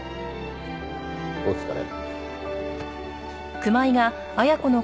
お疲れ。